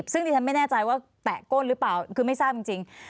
ซึ่งดิฉันไม่แน่ใจว่าแตะก้นหรือเปล่าคือไม่ทราบจริง